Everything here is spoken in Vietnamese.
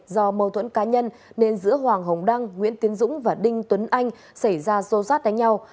do mâu thuẫn cá nhân nên giữa hoàng hồng đăng nguyễn tiến dũng và đinh tuấn anh xảy ra xô xát đánh nhau